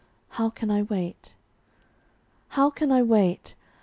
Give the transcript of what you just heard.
How can I wait? How can I wait?